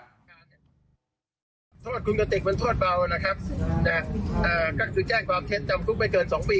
โทษคุณกะติกที่เป็นโทษเบานะครับเราก็จะแจ้งความเช็คนำทุกคนที่ไม่เกิน๒ปี